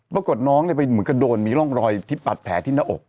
ปรากฏน้องมีล่องรอยที่ปัดแผลที่หน้าอก